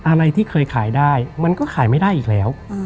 อะไรที่เคยขายได้มันก็ขายไม่ได้อีกแล้ว